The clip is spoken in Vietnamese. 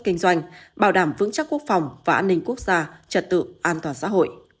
kinh doanh bảo đảm vững chắc quốc phòng và an ninh quốc gia trật tự an toàn xã hội